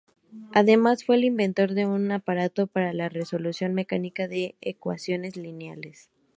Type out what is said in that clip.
Además fue el inventor de un aparato para la resolución mecánica de ecuaciones lineales.